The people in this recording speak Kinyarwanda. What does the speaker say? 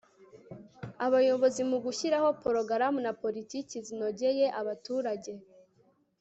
abayobozi, mu gushyiraho porogaramu na poritiki zinogeye abaturage